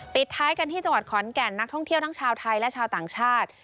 ปิดท้ายกันที่จังหวัดขอนแก่นนักท่องเที่ยวทั้งชาวไทยและชาวต่างชาติ